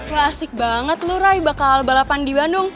wah asik banget loh rai bakal balapan di bandung